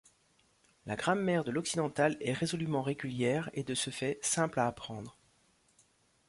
La grammaire de l'occidental est résolument régulière et de ce fait, simple à apprendre.